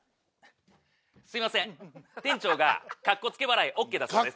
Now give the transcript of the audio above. すいません店長がカッコつけ払いＯＫだそうです。